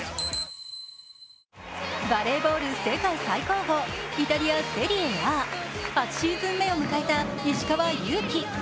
バレーボール世界最高峰、イタリア・セリエＡ、８シーズン目を迎えた石川祐希。